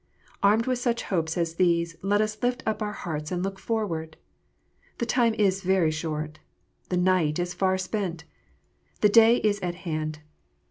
Armed with such hopes as these, let us lift up our hearts and look forward ! The time is very short. The night is far spent. The day is at hand.